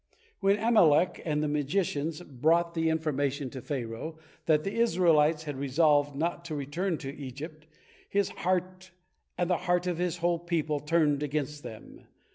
When Amalek and the magicians brought the information to Pharaoh, that the Israelites had resolved not to return to Egypt, his heart and the heart of his whole people turned against them.